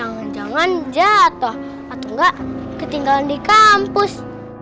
jangan jangan jatoh atau gak ketinggalan di kampus